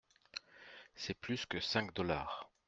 C’est plus que cinq dollars.